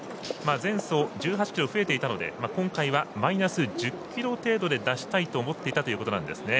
前走１８ｋｇ増えていたので今回はマイナス１０ｋｇ程度で出したいと思っていたということなんですね。